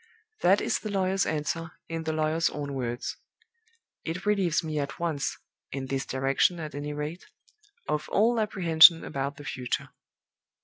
That is the lawyer's answer in the lawyer's own words. It relieves me at once in this direction, at any rate of all apprehension about the future.